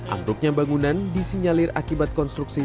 ambruknya bangunan disinyalir akibat konstruksi